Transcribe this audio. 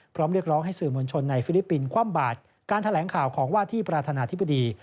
เรียกร้องให้สื่อมวลชนในฟิลิปปินส์คว่ำบาดการแถลงข่าวของว่าที่ประธานาธิบดี